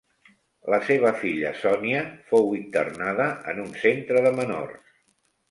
La seva filla Sonia fou internada en un centre de menors.